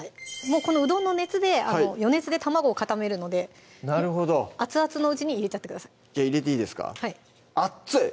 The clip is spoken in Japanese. もうこのうどんの熱で余熱で卵を固めるので熱々のうちに入れちゃってくださいじゃ入れていいですか熱い！